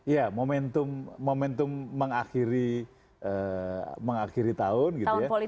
ya momentum mengakhiri tahun gitu ya